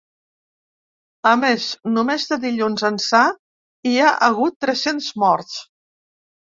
A més, només de dilluns ençà hi ha hagut tres-cents morts.